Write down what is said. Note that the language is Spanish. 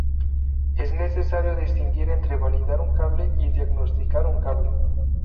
Es necesario distinguir entre validar un cable y diagnosticar un cable.